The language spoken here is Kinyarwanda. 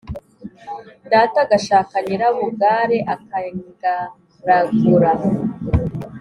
data agashaka Nyirabugare, akangaragura,